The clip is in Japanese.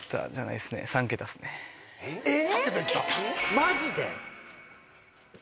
・マジで！？